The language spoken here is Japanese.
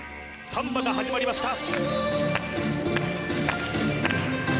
サンバが始まりました